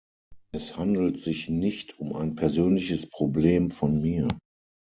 Es handelt sich nicht um ein persönliches Problem von mir.